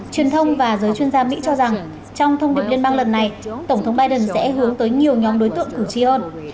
truyền thông và giới chuyên gia mỹ cho rằng trong thông điệp liên bang lần này tổng thống biden sẽ hướng tới nhiều nhóm đối tượng cử tri hơn